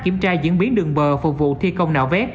kiểm tra diễn biến đường bờ phục vụ thi công nạo vét